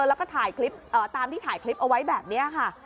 แล้วก็ถ่ายคลิปตามที่ถ่ายคลิปเอาไว้แบบนี้ค่ะ